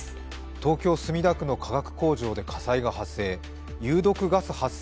東京・墨田区の化学工場で火災が発生。